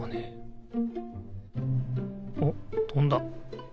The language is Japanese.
おっとんだ。